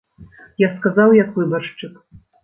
Я сказаў як выбаршчык.